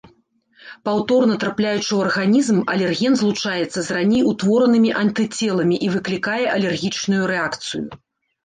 Паўторна трапляючы ў арганізм, алерген злучаецца з раней утворанымі антыцеламі і выклікае алергічную рэакцыю.